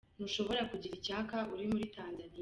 Ntushobora kugira icyaka uri muri Tizama.